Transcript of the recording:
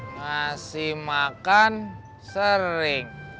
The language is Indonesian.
ngasih makan sering